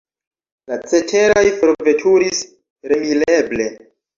La ceteraj forveturis remileble.